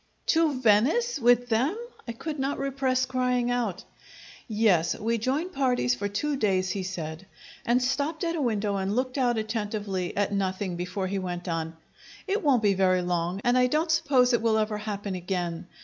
"To Venice with them!" I could not repress crying out. "Yes; we join parties for two days," he said, and stopped at a window and looked out attentively at nothing before he went on: "It won't be very long, and I don't suppose it will ever happen again.